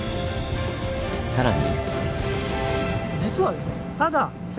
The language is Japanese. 更に。